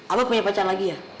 abah punya pacar lagi yah